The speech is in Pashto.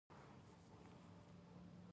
د ورته توکو واردات محدود شوي؟